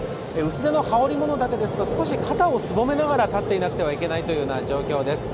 薄手の羽織り物だけですと、少し肩をすぼめながら立っていなければいけない状況です。